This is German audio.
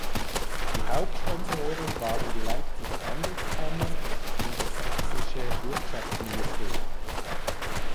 Die Hauptsponsoren waren die Leipziger Handelskammer und das sächsische Wirtschaftsministerium.